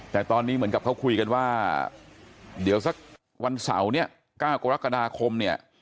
แต่ตอนนี้เหมือนกับเขาคุยกันว่าเดี๋ยวสักวันเสาร์เนี่ย๙กรกฎาคมเนี่ย